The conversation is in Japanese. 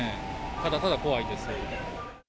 ただただ怖いです。